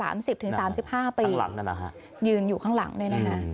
ข้างหลังนั่นหรือคะยืนอยู่ข้างหลังนั่นนะ